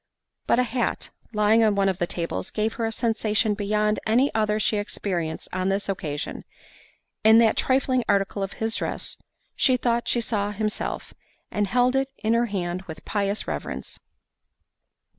But a hat, lying on one of the tables, gave her a sensation beyond any other she experienced on this occasion—in that trifling article of his dress, she thought she saw himself, and held it in her hand with pious reverence.